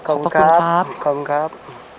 ขอบพระคุณครับ